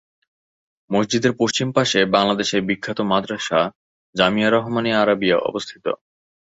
মসজিদের পশ্চিম পাশে বাংলাদেশের বিখ্যাত মাদরাসা জামিয়া রহমানিয়া আরাবিয়া অবস্থিত।